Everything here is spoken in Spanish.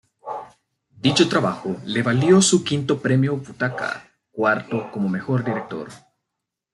Dicho trabajo le valió su quinto premio Butaca, cuarto como mejor director.